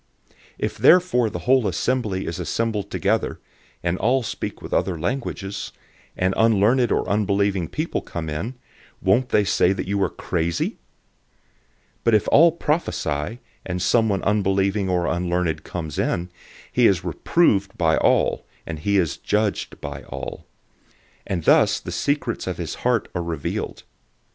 014:023 If therefore the whole assembly is assembled together and all speak with other languages, and unlearned or unbelieving people come in, won't they say that you are crazy? 014:024 But if all prophesy, and someone unbelieving or unlearned comes in, he is reproved by all, and he is judged by all. 014:025 And thus the secrets of his heart are revealed.